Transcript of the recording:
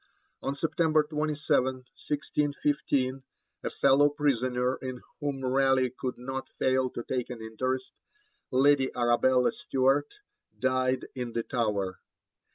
On September 27, 1615, a fellow prisoner in whom Raleigh could not fail to take an interest, Lady Arabella Stuart, died in the Tower.